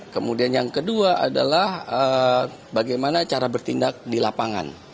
kemudian yang kedua adalah bagaimana cara bertindak di lapangan